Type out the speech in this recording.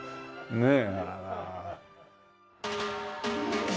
ねえ。